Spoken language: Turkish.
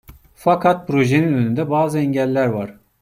Fakat projenin önünde bazı engeller var.